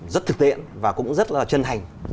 rất thực tiện và cũng rất là chân thành